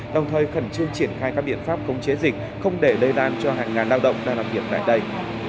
đồng thời khẩn trương triển khai các biện pháp khống chế dịch không để lây lan cho hàng ngàn lao động đang làm việc tại đây